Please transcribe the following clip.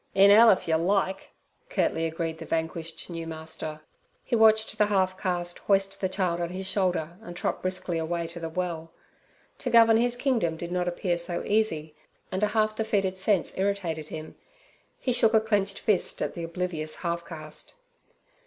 'In 'ell if yer like' curtly agreed the vanquished new master. He watched the half caste hoist the child on his shoulder and trot briskly away to the well. To govern his kingdom did not appear so easy, and a half defeated sense irritated him. He shook a clenched fist at the oblivious half caste.